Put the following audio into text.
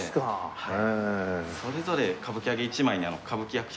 はい。